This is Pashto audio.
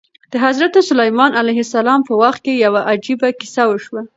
د حضرت سلیمان علیه السلام په وخت کې یوه عجیبه کیسه وشوه.